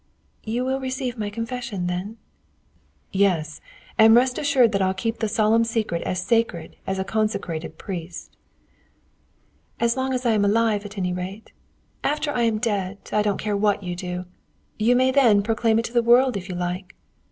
"You will receive my confession, then?" "Yes; and rest assured that I'll keep the solemn secret as sacred as a consecrated priest." "As long as I am alive, at any rate. After I am dead, I don't care what you do. You may then proclaim it to the world if you like.